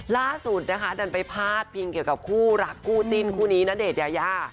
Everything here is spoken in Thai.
ล่าสุดดันไปพาดเพียงเกี่ยวกับคู่หลักกู้จิ้นคู่นี้นาเดชน์ยายา